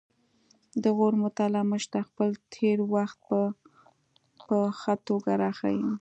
د غور مطالعه موږ ته خپل تیر وخت په ښه توګه راښيي